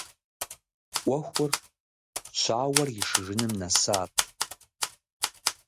Ӏуэхур щауэр ишыжыным нэсат.